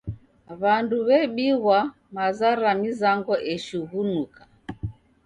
W'andu w'ebighwa maza ra mizango eshughunuka.